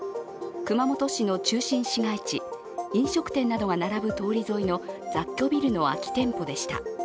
熊本市の中心市街地、飲食店などが並ぶ通り沿いの雑居ビルの空き店舗でした。